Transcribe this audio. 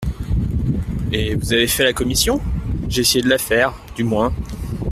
Et vous avez fait la commission ?… J'ai essayé de la faire, du moins.